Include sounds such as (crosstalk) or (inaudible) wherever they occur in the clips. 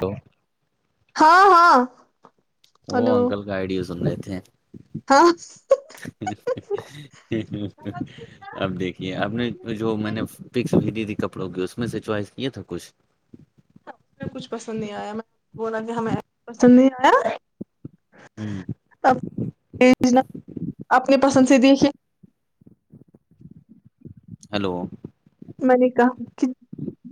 تو ہاں ہاں وہ ہلو انکل کائیڈیوزنے ت ہاں (inaudible) اب دیکھیے آپ نے جو میں نے پکس ویڈیو کپڑوں کی اس میں سے چوائس نہیں تھا کچھ اس میں کچھ پسند نہیں آیا میں بولا کہ ہمیںس پسند نہیں آیا ہ ا (inaudible) اپنی پسند سے دید ہیلو من کاا (inaudible)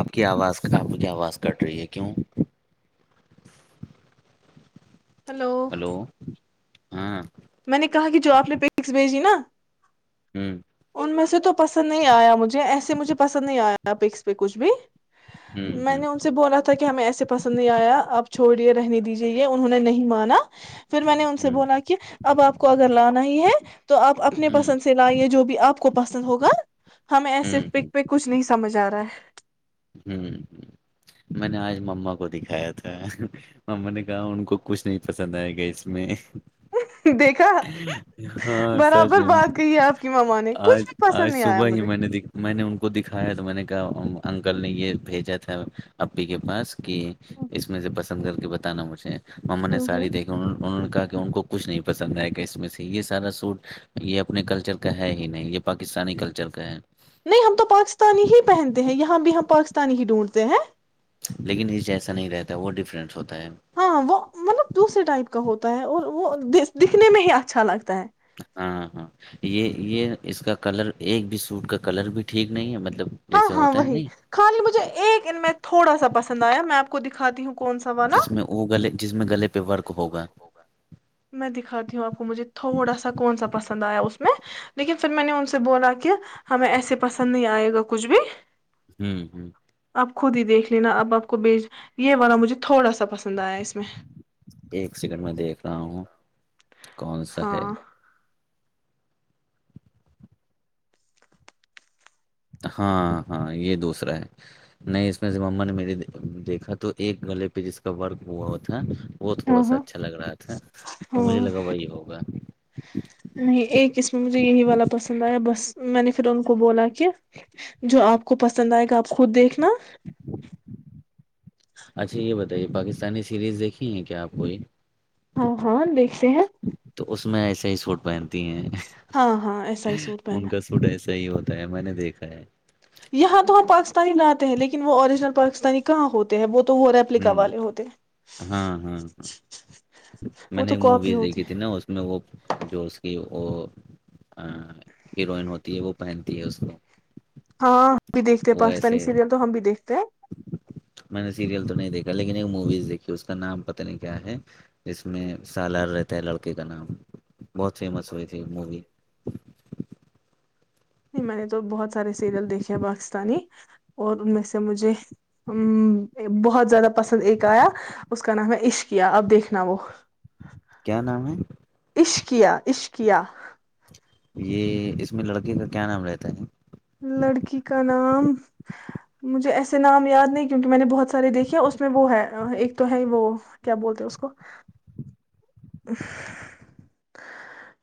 آپ کی آواز کم کیا آواز کٹ رہی ہے کیوں ہلو ہاں میں نے کہا کہ جو آپ نے پکس بھیجی نا ہ ہ میں سے تو پسند نہیں آیا مجھے ج ایسے مجھے پسند نہیں آیا اپ ایکس پہ کچھ بھی میں ہ نے ان سے بولا تھا کہ ہمیں ایسے پسند نہیں آیا اب چھوڑ رہنے دیجاہے انہوں نے نہیں مانا پھر میں نے ان سے بولا کہ اب آپ کو اگر لانا ہی ہے تو آپ اپنے ہ پسند سے لائیے جو آپ کو پسند ہوگا ہمیں ایسے ہ پک پک کچھ نہیں سمجھ آ رہا ہے ہ میں نے آج مما کو دکھایا تھا مما نے کہا ان کو کچھ نہیں پسند آئے گا اس میں دیکھا ہاں سچ برابر میں بات کہی ہے آپ کی ماما نے کچھ آج بھی پسند آج نہیں آیا صبح ہی مجھے میں نے میں نے ان کو دکھایا تو میں نے (unintelligible) کل نے یہ بھیجا تھا اپی کے پاس کی ہوں اس میں سے بس پسند کر کے بتانا مجھے مما نے ساڑی ہوں دیکھی ان کا کہ ان کو کچھ نہیں پسند آئے گا اس میں سے یہ سارا سوٹ یہ اپنے کلچر کا ہے ہی نہیں یہ پاکستانی کلچر کا ہے نہیں ہم تو پاکستانی ہی پہنتے ہیں یہاں بھی ہم پاکستانی ہی ڈھونڈتے ہیں لیکن اس جیسا نہیں رہتا ہے وہ ڈفرینس ہوتا ہے ہاں وہ مطلب دوسرے ٹائپ کا ہوتا تا ہے اور وہ دکھنے میں ہی اچھا لگتا ہے ہاں ہاں یہ یہ اس کا کلر ایک بھی سوٹ کا کلر بھی ٹھیک نہیں ہے مطلب ہاں جیسے ہاں ہوتا ہے وہی نہیں خالی مجھے ایک ان میں تھوڑا سا پسند آیا میں آپ کو دکھ کھاتی ہوں کون سا والا جس میں وہ گلے جس میں گلے پہ ورک ہوگا میں دکھاتی ہوں آپ کو مجھے تھوڑا سا کون سا پسند آیا اس میں لیکن پھر میں نے ان سے بولا کہ ہمیں ایسے پسند نہیں آئے گا کو کھ بھی ہوں ہ آپ خود ہی دیکھ لینا اب آپ کو بھیج یہ والا مجھے تھوڑا سا پسند آیا اس میں ایک سیکنڈ میں دیکھ رہا ہوں کون سا ہے ہاں ہاں ہاں یہ دوسرا ہے نہیں اس میں جب اما نے میری دیکھا تو ایک گلے پہ جس کا ورک ہوا تھا وہ ہاں تھوڑا سا ہاں اچھا لگ رہا تھا تو ہاں مجھے لگا وہی ہوگا نہیں ایکسم بریانی والا پسند آیا بس میں نے پھر ان کو بولا کہ جو آپ کو پسند آئے گا آپ خود دیکھ ن اچھا یہ بتائیے پاکستانی سیریز دیکھی ہے کیا آپ کوئی ہاں ہاں دیکھتے ہیں سیز فوٹ پین ہیں ہاں ہاں ایسا ہی سوٹ پہنا ان کا سوٹ ایسا صحیح ہوتا ہے میں نے دیکھا ہے یہاں تو ہم پاکستانی لاتے ہیں لیکن وہ اوریجنل پاکستانی کہاں ہوتے ہیں وہ تو وہ ہ ریپلیکا والے ہوتے ہیں ہاں ہاں ہاں میں وہ نے تو ایک مووی کاپی ہوتی دیکھی ہے تھی نا اس میں وہ جو اس کی وہ ہیروئن ہوتی ہے وہ پہنتی ہے اس کو ہاں ہم بھی دیکھتے ہیں وہ پاکستانی ایسے سیریل تو ہم بھی دیکھتے ہیں میں نے سیریل تو نہیں دیکھا لیکن ایک موویز دیکھی اس کا نام پتہ نہیں کیا ہے جس میں سالار رہتا ہے لڑکے کا نام بہت فیمس ہوئے تھی مووی نہیں میں نے تو بہت سارے سیریل دیکھے پاکستانی اور ان میں سے مجھے بہت زیادہ پسند ایک آیا اس کا نام ہے عشقیا اب دیکھنا وہ کیا نام ہے عشقیہ عشقیہ یہ اس میں لڑکے کا کیا نام رہتا ہے ن لڑکی کا نام مجھے ایسے نام یاد نہیں کیونکہ میں نے بہت سارے دیکھے اس میں وہ ہے ایک تو ہے وہ کیا بولتے اس کو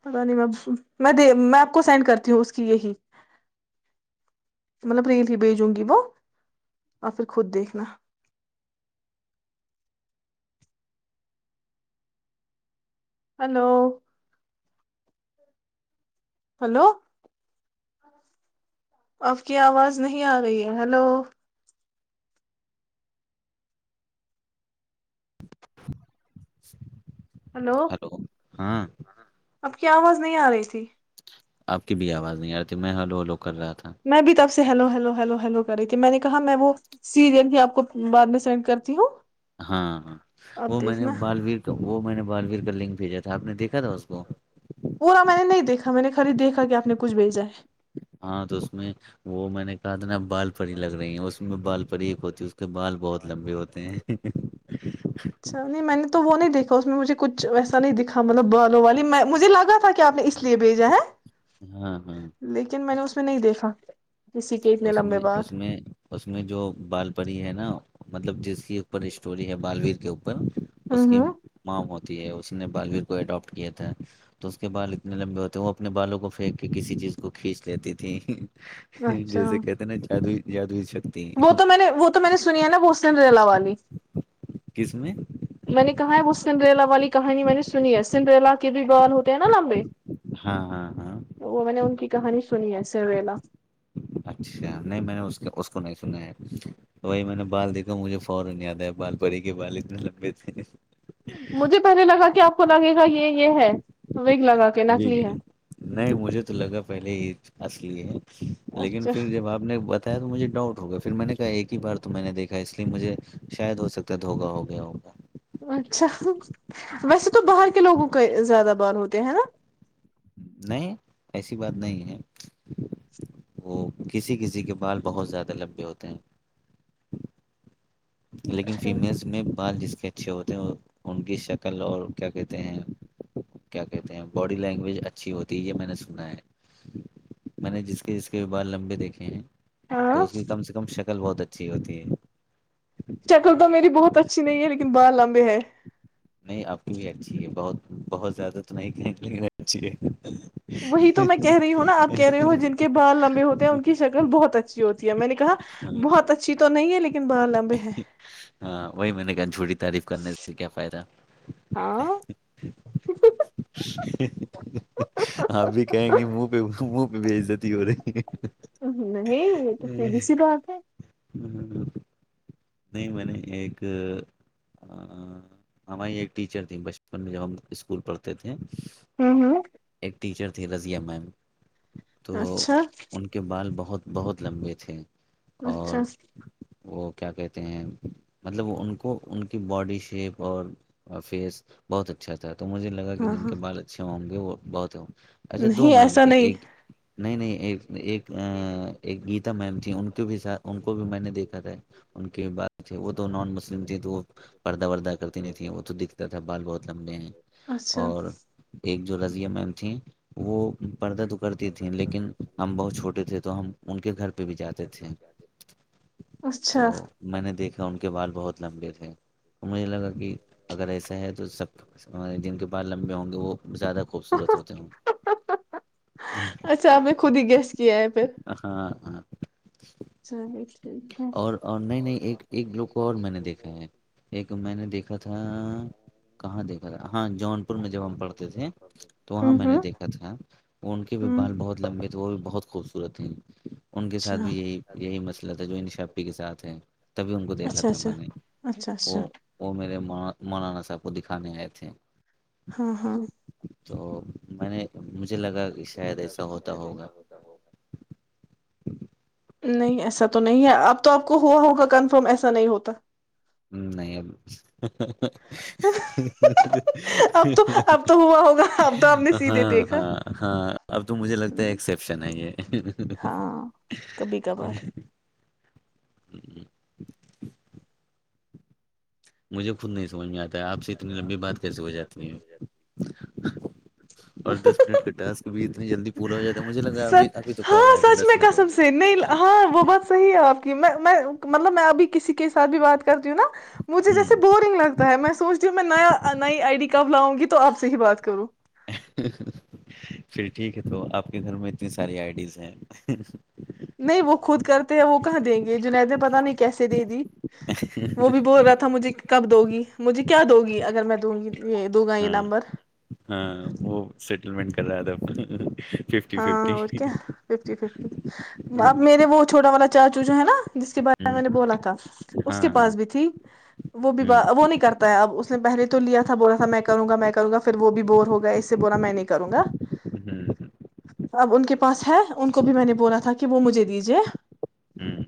پتا نہیں میں میں میں آپ کو سینڈ کرتی ہوں اس کی یہی مطلب ری ہی بھیجوں گی وہ اور پھر خود دیکھنا ہلو ہلو آپ کی آواز نہیں آ رہی ہے ہلو جچ (inaudible) ہلو ہاں اب کی آواز نہیں آ رہی تھی آپ کی بھی آواز نہیں رہ ت میں ہلو لو کر رہا تھا میں بھی تب ہیلو ہیلو ہیلو ہیلو کر رہے تے میں نے کہا میں وہ سیریل ہی آپ کو بعد میں سینڈ کرتی ہوں ہاں ہاں اب وہ میں نے دیکھنا بالویر کو وہ میں نے بالویر بلنگ بھیجا تھا آپ نے دیکھا تھا اس کو تو میں نے خالی دیکھا کہ آ نے کچھ بھیجا ہے ہاں تو اس میں وہ میں نے کہا تھا نا بال پری لگ رہی ہیں اس میں بال پری ایک ہوتی ہے اس کے بال بہت لمبے ہوتے ہیں اچا نہیں میں نے تو وہ نہیں دیکھا اس میں مجھے کچ ویسا نہیں دکھا مطلب بالوں والی میں مجھے لگا تھا کہ آپ نے اس لیے بھیجا ہے ہاں ہاں لیکن میں نے اس نہیں دیکھا کسی کے اتنے اس لمبے میں باض اس میں اس میں جو بال پری ہے نا مطلب جس کی اوپر اسٹوری ہے بالویر کے اوپر اس کی ہوں ہ ماں ہوتی تی ہے اس نے بالویر کو اڈاپٹ کیا تھا تو اس کے بال اتنے لمبے ہوتے وہ اپنے بالوں کو پھینک کے کسی چیز کو کھینچ لیتی تھی ہ اچھا گ (inaudible) ج کہتے ہیں جدو روری ہے وہ تو میں نے وہ تو میں نے سنی ہے نا بوسن ریلا آواز نہیں کس میں سنریلا والی کہانی میں نے سنی ہے سنریلا کی کے بھی بال ہوتے ہیں نا لمبے ہاں ہاں ہاں وہ میں نے ان کی کہانی سنی ہے سویلا سن سنا ہے وہی میں نے بال دیکھا مجھے فورا یاد ہے بال پڑی کے بال اتنے لمبے مجھے پہلے لگا کہ آپ کو لگے گا یہ یہ ہے وگ لگا کے نکلی ہے نہیں مجھے تو لگا پہلے ہی اصلی ہے لیکن اچھا پھر جب آپ نے بتایا تو مجھے ڈاؤٹ ہوگیا پھر میں نے کہا ایک ہی بار تو میں نے دیکھا اس لیے مجھے شاید ہو سکتا ہے دھوکا ہو گیا ہوگا اچھا ویسے تو باہر کے لوگوں کے زیادہ بار ہوتے ہیں ہے نا نہیں ایسی بات نہیں ہے وہ کسی کسی کے بال بہت زیادہ لبے ہوتے ہیں لیکن اچھا فیمیلس میں بال جس کے اچھے ہوتے ہیں ان کی شکل اور کیا کہتے ہیں کیا کہتے ہیں باڈی لینگویج اچھی ہوتی ہے یہ میں نے سنا ہے میں نے جس کے جس کے بال لمبے دیکھے ہیں تو ہاں اس کی کم سے کم شک کل بہت اچھی ہوتی ہے شکل تو میری بہت اچھی نہیں ہے لیکن بر لمبے ہے نہیں آپ کی بھی اچھی ہے بہت بہت زیادہ تو نہیں کہیں لیکن اچھی ہے وہی تو میں کہہ رہی ہوں نا آپ کہہ رہے ہو جن کے بال لمبے ہوتے ہیں ان کی شکل بہت اچھی ہوتی ہے میں نے ہاں بہت اچھی تو نہیں ہے لیکن باہر لمبے ہیں ہاں وہی میں نے کہا جھوڑٹی تعریف کرنے سے کیا فائدہ ہاں (inaudible) آپ بھی کہیں گے منہ پہ منہ پہ بھی عزتی ہو رہی (inaudible) یہ تو س بی سی بات ہے نہیں میں نے ایک ہماری ایک ٹیچر تھھی بچپن میں جب ہم اسکول پڑھتے تھے ہمم ہمم ایک ٹیچر رضیہ میم تو اچھا ان کے بال بہت بہت لمبے تھے اچھا اور وہ کیا کہتے ہیں مطلب ان کو ان کی باڈی شیپ اور فیس بہت اچھا تھا تو مجھے لگا کہ ہاں جن ہاں کے بال اچھے بہت ہو اچھا دو نہیں مم ایسا تھ نہیں ایک نہیں نہیں ایک ایک ایک گیت میم بھیھ ان کو بھی میں نے دیکھا تھا ان کے بات وہ تو نان مسلم تھ تو وہ پردہ وردہ کرتے نہیں تو وہ تو دکھتا تھا بال بہت لمبے ہیں اچھا اور ایک جو رضیہ مم تھیں وہ پردہ تو کرتی تھیں لیکن ہم بہت چھوٹے تھے تو ہم ان کے گھر پہ بھی جاتے تھے تو اچھا میں نے دیکھا ان بال بہت لمبے تھے تو مجھے لگا اگر ایسا ہے تو سب جن کے پال لمبے ہوں گے وہ زیادہ خوبصورت ہوتے ہوں گے اچھا آپ نے خود ہی گیس کیا ہے پھر ہاں چلیے ٹھیک ہے اور نہیں نہیں ایک ایک لوگ کو اور میں نے دیکھا ہے ایک میں نے دیکھا کہاں دیکھا تھا ہاں جون پور میں جب ہم پڑھتے تھے تو وہاں ہوں میں نے ہوں دیکھا تھا ان کے بھی ہوں بال بہت لمبے تھے وہ بھی بہت خوب صورت ہے ان کے ساتھ اچھا بھی یہی یہی مسئلہ تھا جو انشای کے ساتھ ہے تبھی ان کو دیکھا اچھا تھا اچھا میں نے اچھا اچھا وہ میرے مولانا صاحب کو دکھانے آئے تھے ہاں ہاں تو میں نے م مجھے لگا کہ شاید ایسا ہوتا ہوگا نہیں ایسا تو نہیں ہے اب تو آپ کو ہوا ہوگا کنفرم ایسا نہیں ہوتا ہ نہیں (unintelligible) اب تو اب تو ہوا ہوگا اب تو آپ نے سیدھے ہاں دیکھا ہاں ہاں اب تو مجھے لگتا ہے ایکسپشن ہے یہ ہاں کبھی کبھار ج مجھے خود نہیں سمجھ میں آتی اور دس منٹ کا ٹاسک بھی اتنی جلدی پورا ہو جاتا ہے مجھے لگا س ابھی ابھی تو کال ہاں آیا تھا سچ دس میں کا منٹ ہو سم گئے سے نہیں ہاں وہ بات صحیح ہے آپ کی میں مطلب میں آپ بھی کسی کے ساتھ بھی بات کر کرتی ہوں نا مجھے جیسے ہوں بورنگ لگتا ہے میں سوچ نیا نئی آئی ڈی کارڈ لاؤں گی تو آپ سے ہی بات کروں پھر ٹھیک ہے تو آپ کے گھر میں اتنی ساری آئی ڈیز ہیں نہیں وہ خود کرتے ہیں وہ کہاں دیں گے جنید نے پتا نہیں کیسے دے دی وہ بھی بول رہا تھا مجھے کب دو گی مجھے کیا دو گی اگر میں تو ہاں ہاں وہ سیٹلمٹ کد ہاں اور کیا فف فف اب میرے وہ چھوٹا والا چا چوچو ہے نا جس کے بارے میں میں نے بولا تھا اس کے ہاں ہاں پاس بھی تھی وہ بھی ہوں وہ نہیں کرتا ہے اب اس نے پہلے تو لیا تھا بولا تھا میں کروں گا میں کروں گا پھر وہ بھی بور ہوگا اس سے بولا میں نہیں کروں گا ہوں اب ان کے پاس ہے ان کو بھی میں نے بولا تھا کہ وہ مجھے دییجے ہوں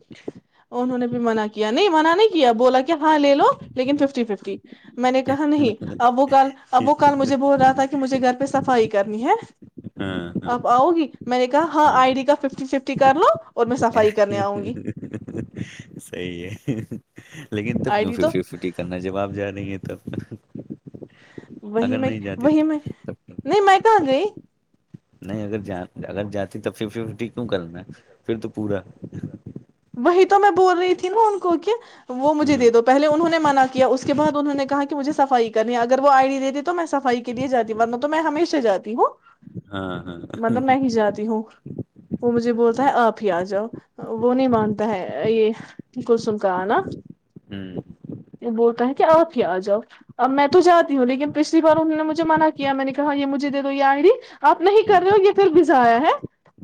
انہوں نے منع کیا نہیں منع نہیں کیا بولا کہ ہاں لے لو لیکن ففٹی ففٹی میں نے کہا نہیں اب وہ کال اب وہ کال مجھے بول رہا تھا کہ مجھے گھر پہ صفائی کرنی ہے ہاں ہاں آپ آؤ گی میں نے کہا ہاں آئی ڈی کا ففٹی ففٹی کر لو اور میں صفائی کرنے آؤں گی سی ہے لیکن تب آئی کیوں ڈی تو ففٹی ففٹی کرنا جب آپ جا رہی ہیں تب وہیں اگر میں نہیں جاتی وہیں میں تو تب نہیں میں کہاں گئی نہیں اگر ج اگر جاتی تو فف فٹی کیوں کرنا پھر تو پورا وہی تو میں بول رہی تھی نا ان کو کہ وہ مجھے دے دو ہاں پہلے انہوں نے منع کیا اس کے بد انہوں نے کہا کہ مجھے صفائی کرنی ہے اگر وہ آئیڈی دیتی تو میں صفائی کے لیے جی ہوں ورنہ تو میں ہمیشہاتی ہوں ہاں ہاں مطلب میں ہی جاتی ہوں وہ مجھے بولتا ہوں ہے آپ ہی آ جاؤ وہ نہیں مانتا ہے یہ ان کوسن کا آنا ہوں بولتا ہے کہ آپ ہی آ جاؤ اب میں تو جاتی ہوں لیکن پچھلی بار انہوں نے مجھے منع کیا میں نے کہا یہ مجھے دے دو یہ آئی آپ نہیں ہوں، کر رہے ہو یہ پھر بھیزایا ہے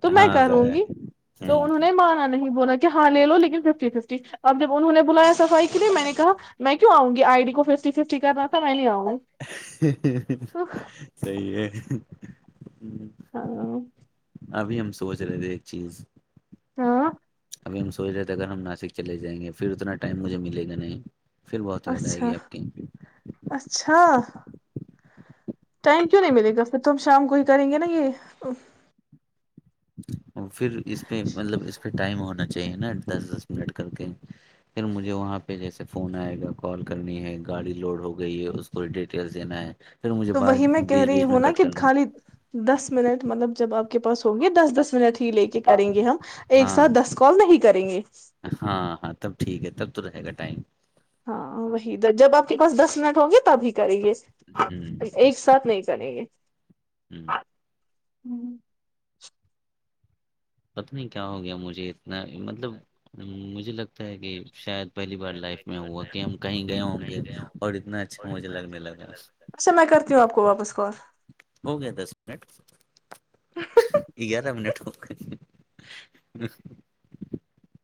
تو میں ہاں کروں ضائع گی ہے تو ہوں انہوں ہوں۔ نے مانا نہیں بولا کہ ہاں لے لو لیکن ففٹی ففٹی اب جب انہوں نے بلایا صفائی کےے میں نےا میں کیوں آؤ گی آئی ڈی کو ففٹی ففٹی کرنا تھا میں نہیں آؤ گی صی ہے ہوں، ہاں ابھی ہم سوچ رہے تھے ایک چیز ہاں ابھی ہم سوچ رہے تھے اگر ہم ناسک چلے جائیں گے پھر اتنا ٹائم مجھے ملے گا نہیں پھر بہت یاد آئے اچھا گی آپ کی اچھا ٹائم کیوں نہیں ملے گا پھر تو ہم شام کو ہی کریں گے نا یہ پھر اس پہ مطلب اس پہ ٹائم ہونا چاہیے نا دس دس منٹ کر کے پھر مجھے وہاں پہ جیسے فون آئے گا کال کرنی ہے گاڑی لوڈ ہو گئی ہے اس کو ڈیٹیلس دینا ہے پھر مجھے تو بعد وہی میں کہہ بیچ رہی بیچ میں ہوں نا کٹ کہ کرنا ہے۔ خالی دس منٹ مطلب جب آپ کے پاس ہوگی دس دس منٹ ہی لے کے کریں گے ہم ایک ہاں ساتھ دس کال نہیں کریں گے ہاں ہاں تب ٹھیک ہے تب رہے گا ٹائم ہاں وہی د جب آپ کے پاس دس منٹ ہوں گے تب ہی کریں گے ہوں ایک ساتھ نہیں چ نہیں ہوں ہوں پت نہیں کیا ہو گیا مجھے اتنا مطلب مجھے لگتا ہے کہ شاید پہلی بار لائف میں ہوا کہ ہم کہیں گئے ہوں گے اور اتنا اچھا مجھے لگنے لگا اچھا میں کرتی ہوں آپ کو واپس کر ہو گیا دس منٹ گیارہ منٹ ہو ہ